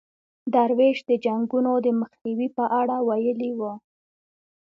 درویش د جنګونو د مخنیوي په اړه ویلي وو.